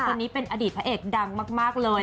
คนนี้เป็นอดีตพระเอกดังมากเลย